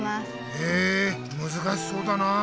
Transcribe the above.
へえむずかしそうだなあ。